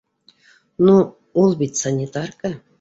Ну, ул бит санитарка